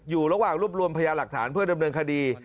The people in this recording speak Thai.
อยู่ระหว่างรวบรวมพยาหลักฐานเพื่อดำเนินคดี